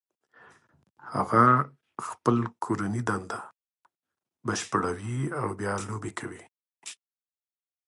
هغه خپل کورنۍ دنده بشپړوي او بیا لوبې کوي